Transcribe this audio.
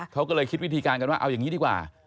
เขาก็เลยคิดวิธีการกันว่าเอาอย่างนี้ดีกว่า